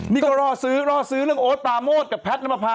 นี่ก็รอซื้อล่อซื้อเรื่องโอ๊ตปราโมทกับแพทย์น้ำประพา